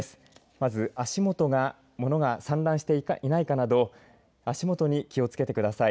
まず足元が物が散乱していないかなど足元に気をつけてください。